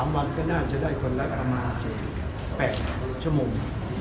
๓วันก็น่าจะได้คนละประมาณ๑๘ชั่วโมง